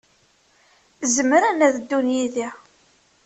Zemren ad ddun yid-i.